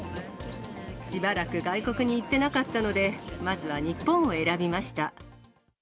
しばらく外国に行ってなかったので、まずは日本を選びました。